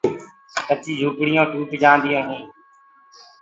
ڪچيٚ جھوُپڙيونٚ ٽوت جآنديو هينٚ۔